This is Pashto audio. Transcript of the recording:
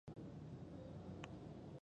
چې چارپايي د صمدو کورته يوسې؟